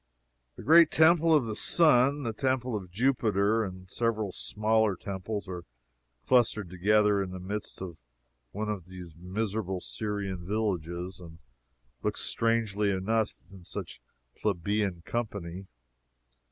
The great Temple of the Sun, the Temple of Jupiter, and several smaller temples, are clustered together in the midst of one of these miserable Syrian villages, and look strangely enough in such plebeian company.